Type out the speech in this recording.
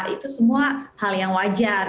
itu semua hal yang wajar